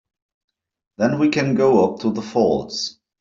Then we can go up to the falls.